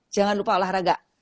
jangan lupa olahraga